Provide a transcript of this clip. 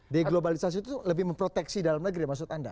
deglobalisasi itu lebih memproteksi dalam negeri maksud anda